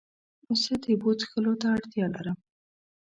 زه د اوبو څښلو ته اړتیا لرم.